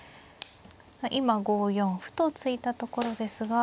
今５四歩と突いたところですが。